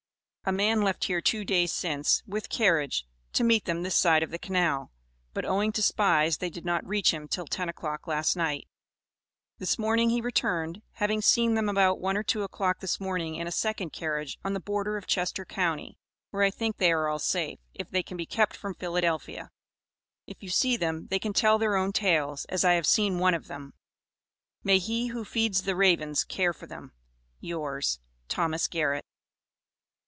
A man left here two days since, with carriage, to meet them this side of the canal, but owing to spies they did not reach him till 10 o'clock last night; this morning he returned, having seen them about one or two o'clock this morning in a second carriage, on the border of Chester county, where I think they are all safe, if they can be kept from Philadelphia. If you see them they can tell their own tales, as I have seen one of them. May He, who feeds the ravens, care for them. Yours, THOS. GARRETT.